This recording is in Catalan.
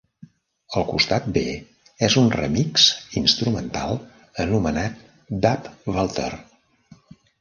El costat B és un remix instrumental anomenat "Dub-vulture".